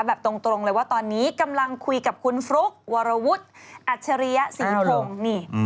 แบบตรงเลยว่าตอนนี้กำลังคุยกับคุณฟลุ๊กวรวุฒิอัจฉริยศรีพงศ์นี่